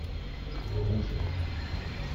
le rouge.